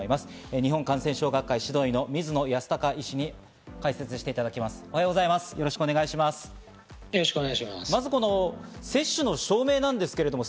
日本感染症学会・指導医の水野泰孝医師に解説していただこうと思います。